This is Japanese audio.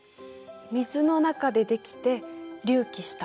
水の中でできて隆起した。